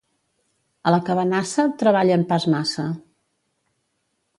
A la Cabanassa, treballen pas massa.